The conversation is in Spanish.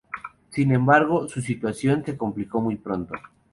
Sin embargo, su situación se complicó muy pronto.